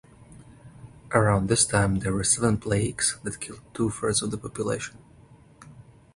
Around this time there were seven plagues that killed two thirds of the population.